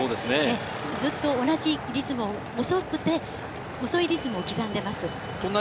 ずっと同じリズムを遅いリズムを刻んでいます。